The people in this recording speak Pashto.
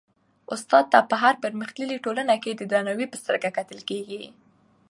استاد ته په هره پرمختللي ټولنه کي د درناوي په سترګه کتل کيږي.